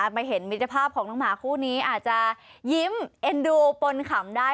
มาเห็นมิตรภาพของน้องหมาคู่นี้อาจจะยิ้มเอ็นดูปนขำได้